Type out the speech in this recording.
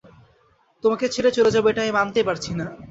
তোমাকে ছেড়ে চলে যাবো এটা আমি মানতেই পারছি না।